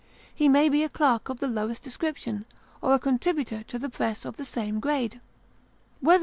He may be a clerk of the lowest description, or a contributor to the press of the same igS Sketches by Boz.